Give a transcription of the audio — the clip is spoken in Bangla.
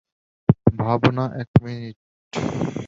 ভাবনা, এক মিনিট।